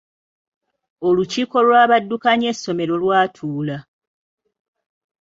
Olukiiko lw'abaddukanya essomero lwatuula.